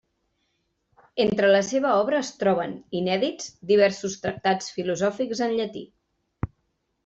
Entre la seva obra es troben, inèdits, diversos tractats filosòfics en llatí.